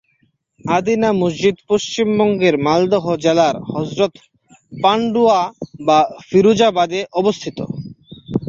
আদিনা মসজিদ পশ্চিমবঙ্গের মালদহ জেলার হযরত পান্ডুয়া বা ফিরুজাবাদে অবস্থিত।